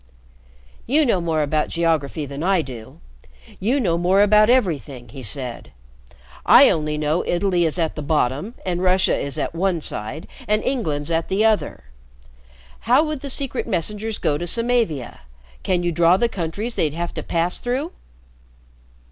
"You know more about geography that I do. You know more about everything," he said. "I only know Italy is at the bottom and Russia is at one side and England's at the other. How would the Secret Messengers go to Samavia? Can you draw the countries they'd have to pass through?"